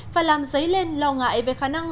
và làm dấy lên lo ngại về khả năng